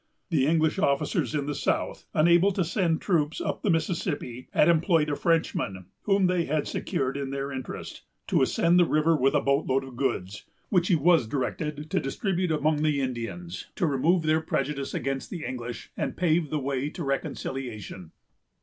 The English officers in the south, unable to send troops up the Mississippi, had employed a Frenchman, whom they had secured in their interest, to ascend the river with a boat load of goods, which he was directed to distribute among the Indians, to remove their prejudice against the English and pave the way to reconciliation.